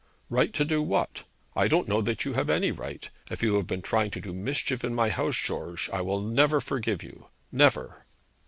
'Right to do what? I don't know that you have any right. If you have been trying to do mischief in my house, George, I will never forgive you never.'